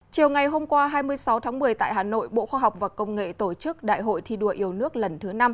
chiều ngày hôm qua hai mươi sáu tháng một mươi tại hà nội bộ khoa học và công nghệ tổ chức đại hội thi đua yêu nước lần thứ năm